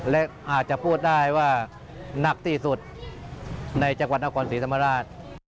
และอาจจะพูดได้ว่าหนักที่สุดในจังหวัดนครศรีธรรมราช